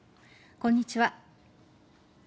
こんにちは。